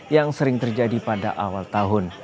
yang sering terjadi pada awal tahun